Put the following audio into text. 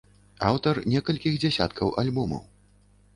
Аўтар некалькіх дзясяткаў альбомаў.